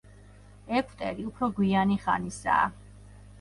ეგვტერი უფრო გვიანი ხანისაა.